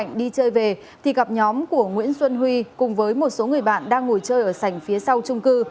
nhóm của nguyễn xuân huy cùng với một số người bạn đang ngồi chơi ở sành phía sau trung cư